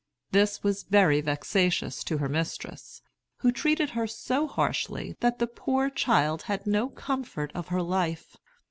This was very vexatious to her mistress, who treated her so harshly that the poor child had no comfort of her life.